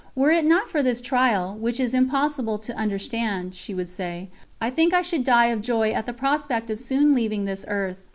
"Were it not for this trial, which is impossible to understand," she would say, "I think I should die of joy at the prospect of soon leaving this earth."